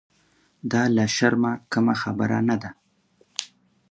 دا له شرمه کمه خبره نه ده.